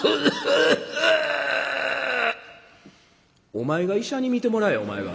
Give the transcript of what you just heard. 「お前が医者に診てもらえお前が。